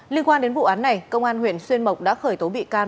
liên quan đến vụ án này công an huyện xuyên mộc đã khởi tố bị can